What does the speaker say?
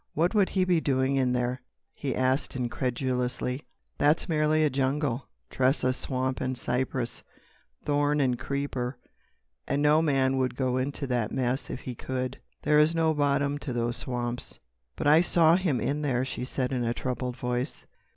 "What would he be doing in there?" he asked incredulously. "That's merely a jungle, Tressa—swamp and cypress, thorn and creeper,—and no man would go into that mess if he could. There is no bottom to those swamps." "But I saw him in there," she said in a troubled voice.